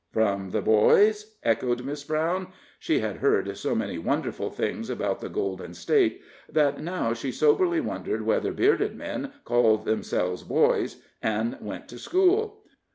"From the boys?" echoed Miss Brown. She had heard so many wonderful things about the Golden State, that now she soberly wondered whether bearded men called themselves boys, and went to school.